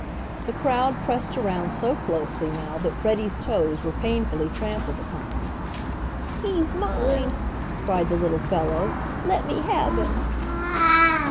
The crowd pressed around so closely now that Freddie's toes were painfully trampled upon. "He's mine," cried the little fellow. "Let me have him."